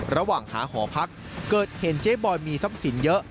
ระหว่างหาหอพักเกิดเห็นเจ๊บอยมีทรัพย์สินเยอะ